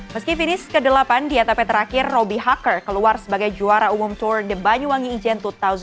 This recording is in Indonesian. meski finish ke delapan di atapnya terakhir robby hacker keluar sebagai juara umum tour de banyuwangi ijen dua ribu dua puluh